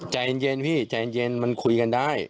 ใจเย็นพี่ใจเย็นมันคุยกันได้